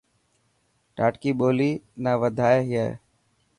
ڌاٽڪي ٻولي نا وڌائي هي.